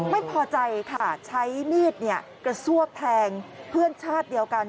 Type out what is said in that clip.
ไม่พอใจค่ะใช้มีดกระซวกแทงเพื่อนชาติเดียวกัน